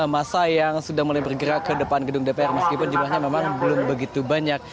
masa yang sudah mulai bergerak ke depan gedung dpr meskipun jumlahnya memang belum begitu banyak